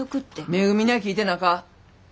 めぐみには聞いてなか。